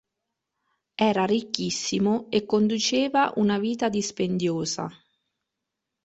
Era ricchissimo e conduceva una vita dispendiosa.